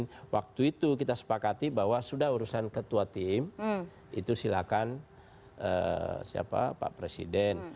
dan waktu itu kita sepakati bahwa sudah urusan ketua tim itu silakan pak presiden